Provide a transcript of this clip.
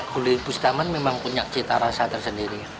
gulai bustaman memang punya cita rasa tersendiri